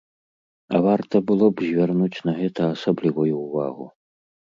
А варта было б звярнуць на гэта асаблівую ўвагу.